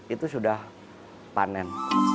itu sudah panen